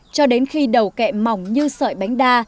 cho đến khi đầu kẹ mỏng như sợi bánh đa